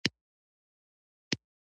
او س د ټولو ښارونو